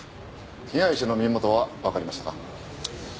被害者の身元はわかりましたか？